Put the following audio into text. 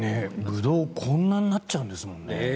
ブドウ、こんなになっちゃうんですもんね。